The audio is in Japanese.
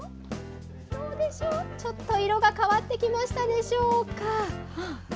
どうでしょう、ちょっと色が変わってきましたでしょうか。